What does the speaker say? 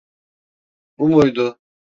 Bu muydu?